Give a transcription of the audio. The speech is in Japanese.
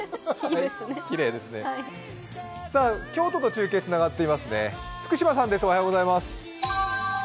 京都と中継つながってますね。